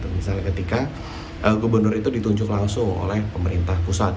misalnya ketika gubernur itu ditunjuk langsung oleh pemerintah pusat